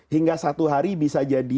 hingga satu hari bisa jadi